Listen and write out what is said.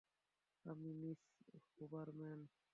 আমি miss Huberman.